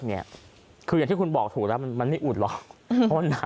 คืออย่างที่คุณบอกถูกแล้วมันไม่อุดหรอก